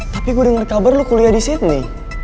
tapi gue denger kabar lo kuliah disini